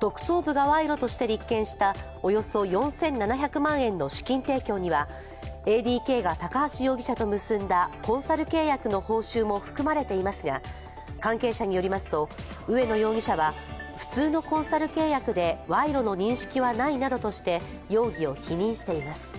特捜部が賄賂として立件したおよそ４７００万円の資金提供にはＡＤＫが高橋容疑者と結んだコンサル契約の報酬も含まれていますが、関係者によりますと、植野容疑者は普通のコンサル契約で賄賂の認識はないなどとして容疑を否認しています。